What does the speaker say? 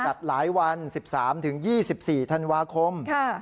จัดหลายวัน๑๓๒๔ธันวาคม